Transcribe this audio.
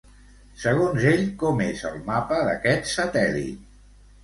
Segons ell, com és el mapa d'aquest satèl·lit?